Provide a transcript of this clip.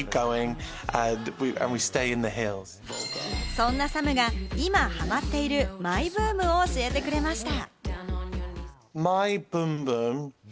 そんなサムが今ハマっているマイブームを教えてくれました。